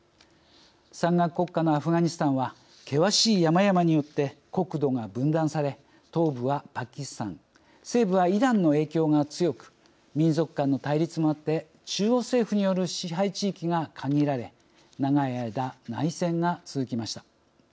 山岳国家のアフガニスタンは険しい山々によって国土が分断され東部はパキスタン西部はイランの影響が強く民族間の対立もあって中央政府による支配地域が限られ長い間、内戦が続きました。